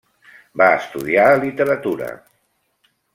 Va estudiar literatura.